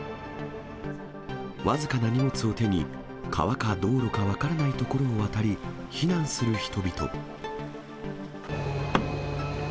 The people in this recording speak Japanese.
僅かな荷物を手に、川か道路か分からない所を渡り、避難する人々。